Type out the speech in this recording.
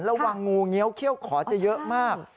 ระวังงูเงียวเขี้ยวขอจะเยอะมาก